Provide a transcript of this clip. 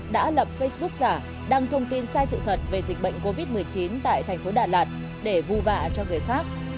đã lập facebook giả đăng thông tin sai sự thật về dịch bệnh covid một mươi chín tại thành phố đà lạt để vu vạ cho người khác